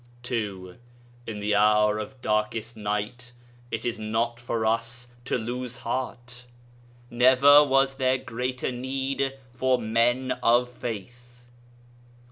2. In the hour of darkest night it is not for us to lose heart. Never was there greater need for men of faith.